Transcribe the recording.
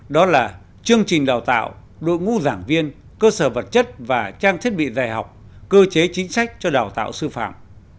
đó là chương trình đào tạo đội ngũ giảng viên cơ sở vật chất và trang thiết bị dạy học cơ chế chính sách cho đào tạo sư phạm